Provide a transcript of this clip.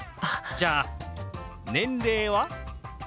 じゃあ年齢は？